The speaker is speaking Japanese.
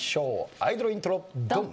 アイドルイントロドン！